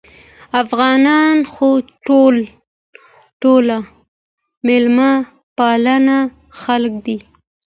افغانان خو ټول مېلمه پاله خلک دي